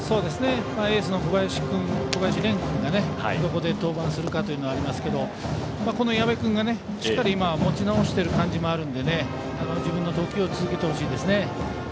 エースの小林廉君がどこで登板するかというのもありますけど矢部君が、しっかり今は持ち直してる感じもありますので自分の投球を続けてほしいですね。